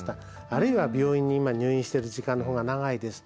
あるいは病院に今入院してる時間の方が長いです。